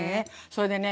それでね